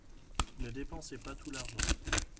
Ne dépensez pas tout l'argent.